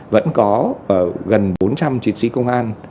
vẫn có gần bốn trăm linh chiến sĩ công an